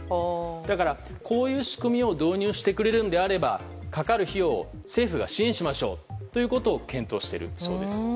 だから、こういう仕組みを導入してくれるのであればかかる費用を政府が支援しましょうということを検討しているそうです。